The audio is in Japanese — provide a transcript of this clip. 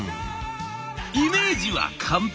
イメージは完璧！